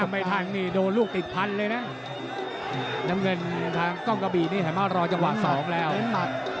พลิกเหลี่ยม